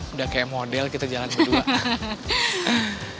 udah kayak model kita jalan berduaan